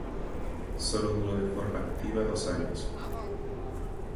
Sólo duró de forma activa dos años.